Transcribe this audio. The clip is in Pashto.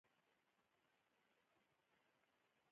مچان د هر انسان مزاحمت کوي